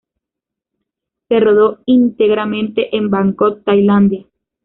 Se rodó íntegramente en Bangkok, Tailandia.